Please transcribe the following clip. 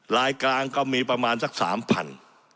ลายกลางก็มีประมาณสัก๓พัน